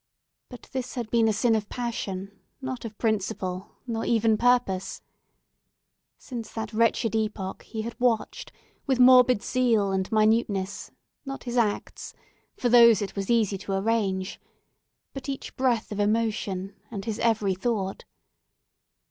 But this had been a sin of passion, not of principle, nor even purpose. Since that wretched epoch, he had watched with morbid zeal and minuteness, not his acts—for those it was easy to arrange—but each breath of emotion, and his every thought.